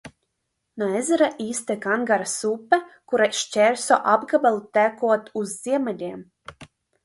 No ezera iztek Angaras upe, kura šķērso apgabalu tekot uz ziemeļiem.